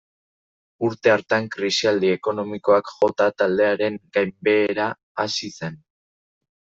Urte hartan krisialdi ekonomikoak jota taldearen gainbehera hasi zen.